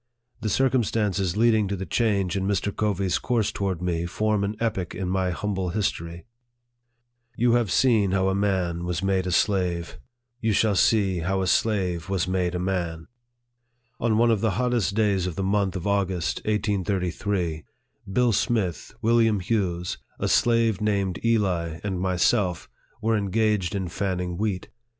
The circumstances leading to the change in Mr. Covey's course toward me form an epoch in my humble history. You have seen how a man was made a slave ; you shall see how a 5 66 NARRATIVE OF THE slave was made a man. On one of the hottest days of the month of August, 1833, Bill Smith, William Hughes, a slave named Eli, and myself, were engaged in fanning wheat.